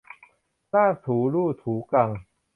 ลากถูลู่ถูกัง